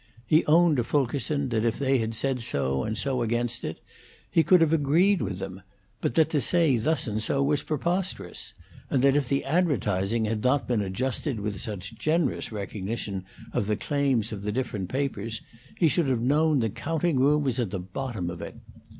He owned to Fulkerson that if they had said so and so against it, he could have agreed with them, but that to say thus and so was preposterous; and that if the advertising had not been adjusted with such generous recognition of the claims of the different papers, he should have known the counting room was at the bottom of it.